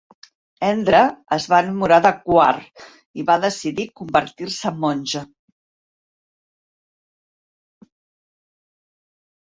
Hendra es va enamorar de Quarr y va decidir convertir-se en monja.